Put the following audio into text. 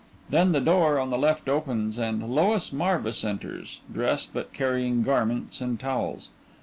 Then the door on the left opens and_ LOIS MARVIS _enters, dressed but carrying garments and towels.